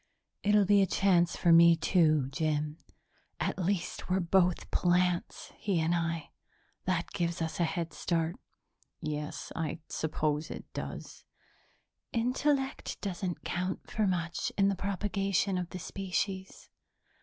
"It'll be a chance for me, too, Jim. At least we're both plants, he and I. That gives us a headstart." "Yes, I suppose it does." "Intellect doesn't count for much in the propagation of the species.